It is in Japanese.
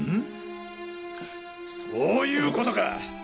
そういう事か！